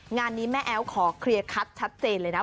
งานนี้แม่แอ๊วขอเคลียร์คัดชัดเจนเลยนะ